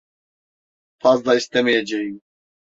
Fazla istemeyeceğim.